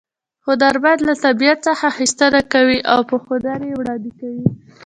هنرمن له طبیعت څخه اخیستنه کوي او په هنر کې یې وړاندې کوي